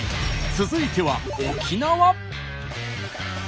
続いては沖縄。